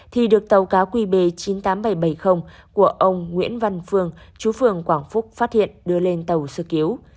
thì được tàu cá qb chín mươi tám nghìn bảy trăm bảy mươi của ông nguyễn văn phương chú phường quảng phúc phát hiện đưa lên tàu sơ cứu